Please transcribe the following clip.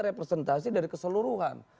representasi dari keseluruhan